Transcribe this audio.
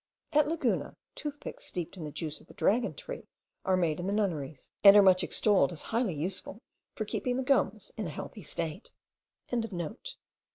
At Laguna, toothpicks steeped in the juice of the dragon tree are made in the nunneries, and are much extolled as highly useful for keeping the gums in a healthy state.)